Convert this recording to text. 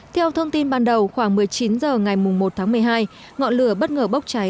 theo thông tin ban đầu khoảng một mươi chín h ngày một tháng một mươi hai ngọn lửa bất ngờ bốc cháy